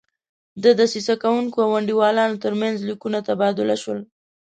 د دسیسه کوونکو او انډیوالانو ترمنځ لیکونه تبادله شول.